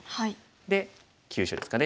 で急所ですかね。